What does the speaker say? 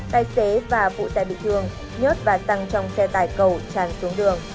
tài xế và vụ tải bị thương nhớt và tăng trong xe tải cầu tràn xuống đường